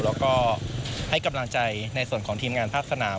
แล้วก็ให้กำลังใจในส่วนของทีมงานภาคสนาม